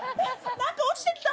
何か落ちてきた。